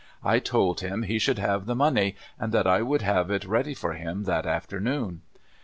I told him he should have the money, and that I would have it ready for him that afternoon.